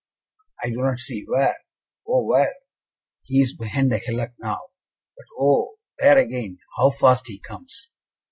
"I do not see! where, oh where?" "He is behind the hillock now, but oh, there again! How fast he comes!"